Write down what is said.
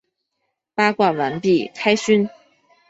八卦完毕，开勋！